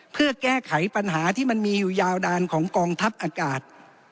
เพื่อแก้ไขปัญหาที่มันมีอยู่ยาวนานของกองทัพอากาศ